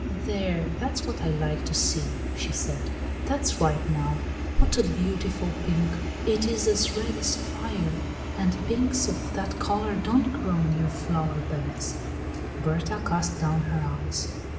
"There! that's what I like to see," she said. "That's right, now. What a beautiful pink! It is as red as fire. And pinks of that color don't grow in your flower beds!" Berta cast down her eyes.